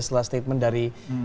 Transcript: setelah statement dari ihsg